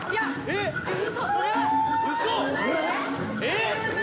えっ！？